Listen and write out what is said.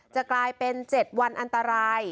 จะกลายเป็น๗วันอันตราย